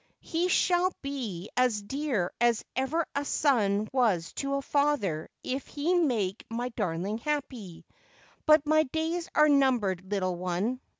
' He shall be as dear as ever a son was to father if he make my darling happy. But my days are numbered, little one.